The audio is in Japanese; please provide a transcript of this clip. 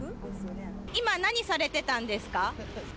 今何されてたんですか。